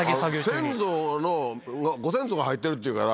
先祖ご先祖が入ってるっていうから。